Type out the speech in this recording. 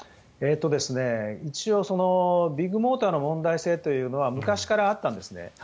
一応、ビッグモーターの問題性というのは昔からあったんです。